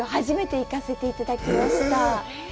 初めて行かせていただきました。